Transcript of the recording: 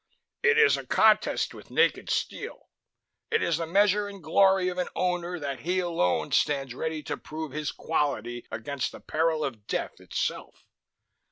"It is a contest with naked steel. It is the measure and glory of an Owner that he alone stands ready to prove his quality against the peril of death itself."